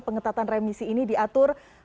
pengetatan remisi ini diatur